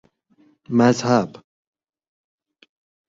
مذهب